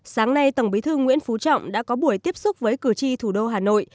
sáng nay tổng bí thư nguyễn phú trọng đã có buổi tiếp xúc với cử tri thủ đô hà nội